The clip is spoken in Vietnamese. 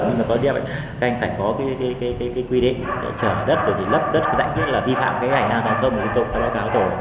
nhưng mà có điều là các anh phải có cái quy định để trở đất rồi thì lấp đất dạng như là vi phạm cái hành năng tháng thông